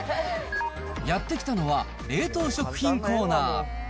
やって来たのは、冷凍食品コーナー。